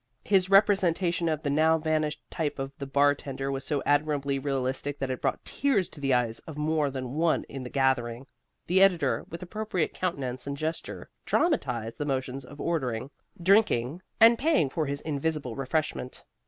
His representation of the now vanished type of the bartender was so admirably realistic that it brought tears to the eyes of more than one in the gathering. The editor, with appropriate countenance and gesture, dramatized the motions of ordering, drinking, and paying for his invisible refreshment.